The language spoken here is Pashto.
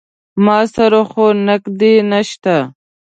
ما سره خو نقدې نه شته.